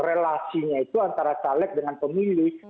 relasinya itu antara caleg dengan pemilih